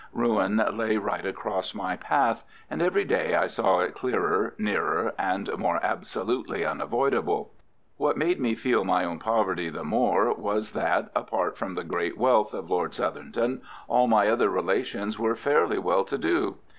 Ruin lay right across my path, and every day I saw it clearer, nearer, and more absolutely unavoidable. What made me feel my own poverty the more was that, apart from the great wealth of Lord Southerton, all my other relations were fairly well to do.